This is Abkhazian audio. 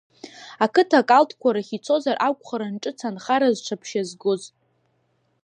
Ақыҭа акалҭқәа рахь ицозар акәхарын ҿыц анхара зҽаԥшьазгоз.